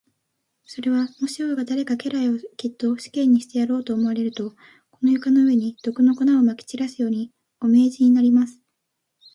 それは、もし王が誰か家来をそっと死刑にしてやろうと思われると、この床の上に、毒の粉をまき散らすように、お命じになります。